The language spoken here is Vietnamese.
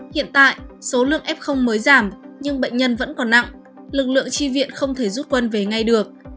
hiện tại số lượng f mới giảm nhưng bệnh nhân vẫn còn nặng lực lượng tri viện không thể rút quân về ngay được